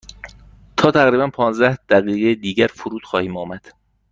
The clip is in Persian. تا تقریبا پانزده دقیقه دیگر فرود خواهیم آمد.